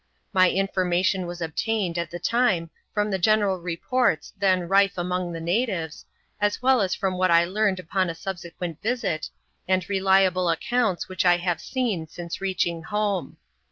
My information was obtained at the time from the general reports then rife among the natives, as well as from what I learned upon a subsequent visit, and re liable accounts which I have seen since reaching home.